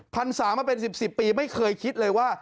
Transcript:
พันศามาเป็น๑๐ปีไม่เคยคิดเลยว่า